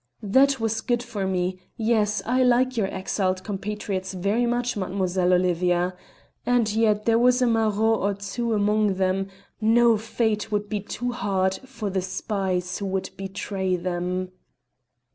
_ That was good for me. Yes; I like your exiled compatriots very much, Mademoiselle Olivia. And yet there was a maraud or two among them; no fate could be too hard for the spies who would betray them."